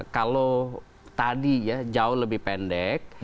kalau tadi ya jauh lebih pendek